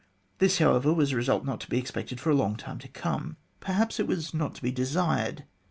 This, however, was a result not to be expected for a long time to come. Perhaps it was not to be desired.